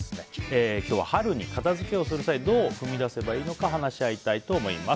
今日は春に片付けをする際どう踏み出せばいいのか話し合いたいと思います。